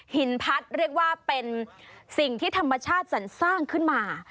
พัดเรียกว่าเป็นสิ่งที่ธรรมชาติสรรสร้างขึ้นมา